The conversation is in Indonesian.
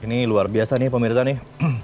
ini luar biasa nih pemirsa nih